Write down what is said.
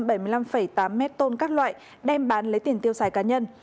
để lấy ba trăm bảy mươi năm tám mét tôn các loại đem bán lấy tiền tiêu xài cá nhân